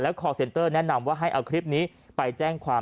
คอร์เซ็นเตอร์แนะนำว่าให้เอาคลิปนี้ไปแจ้งความ